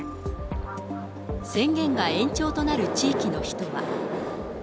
宣言が延長となる地域の人は。